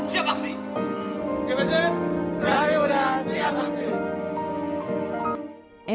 kepesan kami muda siap aksi